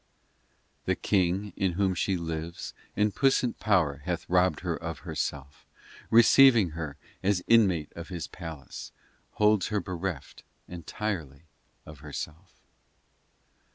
xv The King in Whom she lives In puissant power hath robbed her of herself. Receiving her As inmate of His palace, Holds her bereft entirely of herself.